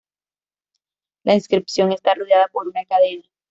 La inscripción está rodeada por una cadena.